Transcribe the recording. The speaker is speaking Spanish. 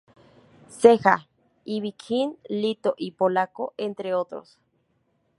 Ceja, Ivy Queen, Lito Y polaco entre otros.